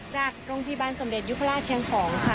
จากโรงพยาบาลสมเด็จยุพราชเชียงของค่ะ